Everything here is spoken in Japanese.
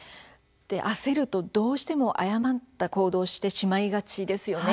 焦ると、どうしても誤った行動をしがちですよね。